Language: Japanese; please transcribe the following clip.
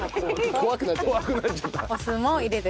怖くなっちゃった。